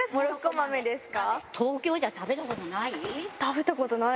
東京じゃ食べたことない？